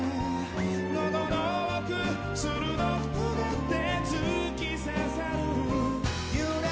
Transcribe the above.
「喉の奥、鋭く尖って突き刺さる」